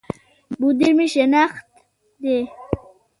مدير مي شناخته دی